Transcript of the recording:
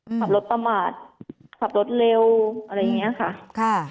ขับรถประมาทขับรถเร็วอะไรอย่างนี้ค่ะ